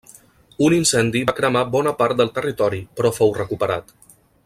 Un incendi va cremar bona part del territori però fou recuperat.